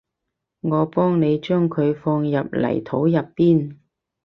我幫你將佢放入泥土入邊